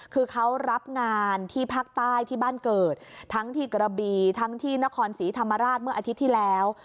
คือเขารับงานที่ภาคใต้ที่บ้านเกิดทั้งที่กระบีทั้งที่นครศรีธรรมราชเมื่ออาทิตย์ที่แล้ว